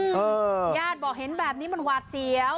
ญาติบอกเห็นแบบนี้มันหวาดเสียว